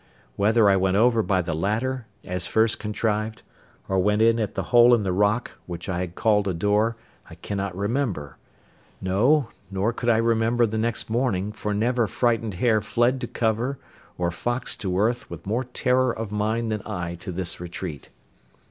Whether I went over by the ladder, as first contrived, or went in at the hole in the rock, which I had called a door, I cannot remember; no, nor could I remember the next morning, for never frightened hare fled to cover, or fox to earth, with more terror of mind than I to this retreat.